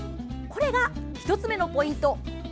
これが１つ目のポイント。